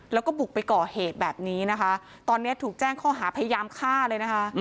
แล้วก็บุกไปก่อเหตุแบบนี้นะคะตอนนี้ถูกแจ้งข้อหาพยายามฆ่าเลยนะคะ